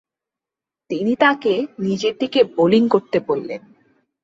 তিনি তাকে নিজের দিকে বোলিং করতে বললেন।